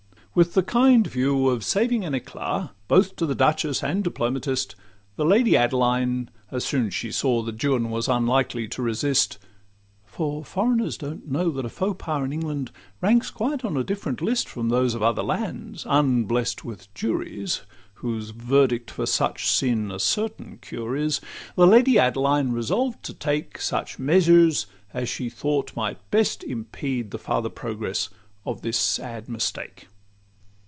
With the kind view of saving an eclat, Both to the duchess and diplomatist, The Lady Adeline, as soon 's she saw That Juan was unlikely to resist (For foreigners don't know that a faux pas In England ranks quite on a different list From those of other lands unblest with juries, Whose verdict for such sin a certain cure is);— The Lady Adeline resolved to take Such measures as she thought might best impede The farther progress of this sad mistake.